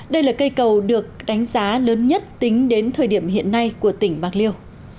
đây là cây cầu được đánh giá lớn nhất tính đến thời điểm hiện nay của tỉnh bạc liêu